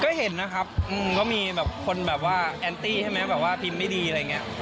ก็เห็นนะครับก็มีแบบคนแบบว่าแอนตี้ใช่ไหมแบบว่าพิมพ์ไม่ดีอะไรอย่างนี้